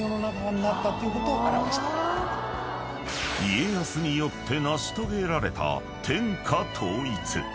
［家康によって成し遂げられた天下統一］